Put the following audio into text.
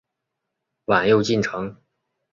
晚又进城。